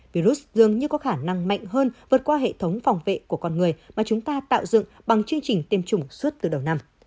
virus dường như có khả năng mạnh hơn vượt qua hệ thống phòng vệ của con người mà chúng ta tạo dựng bằng chương trình tiêm chủng suốt từ đầu năm